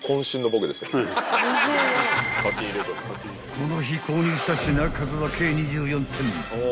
［この日購入した品数は計２４点］